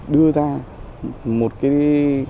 đưa ra một cái